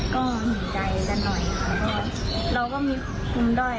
ก็หินใจกันหน่อยเราก็มีคุณด้วย